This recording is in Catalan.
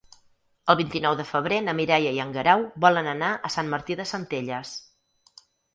El vint-i-nou de febrer na Mireia i en Guerau volen anar a Sant Martí de Centelles.